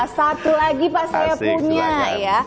satu lagi pak saya punya ya